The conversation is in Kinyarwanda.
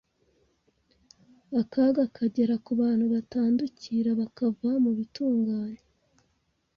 akaga kagera ku bantu batandukira bakava mu bitunganye